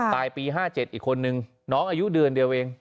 ปี๕๗อีกคนนึงน้องอายุเดือนเดียวเอง